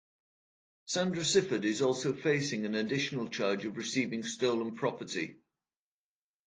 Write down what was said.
Sandra Sifford is also facing an additional charge of receiving stolen property.